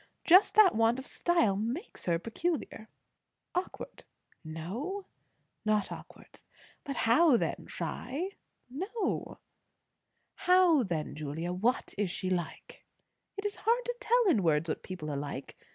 Just that want of style makes her peculiar." "Awkward?" "No." "Not awkward. How then? Shy?" "No." "How then, Julia? What is she like?" "It is hard to tell in words what people are like.